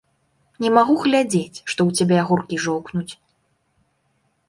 Не магу глядзець, што ў цябе агуркі жоўкнуць.